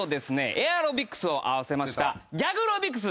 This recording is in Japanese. エアロビクスを合わせましたギャグロビクス！